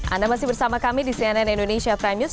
anda masih bersama kami di cnn indonesia prime news